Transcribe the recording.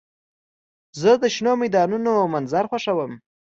زه د شنو میدانونو منظر خوښوم.